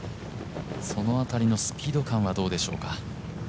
そのあたりのスピード感はどうでしょうか。